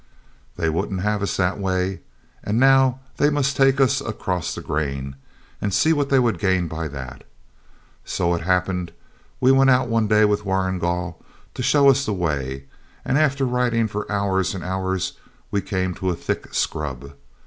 They wouldn't have us that way, and now they must take us across the grain, and see what they would gain by that. So it happened we went out one day with Warrigal to show us the way, and after riding for hours and hours, we came to a thick scrub.